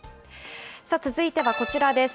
続いてはこちらです。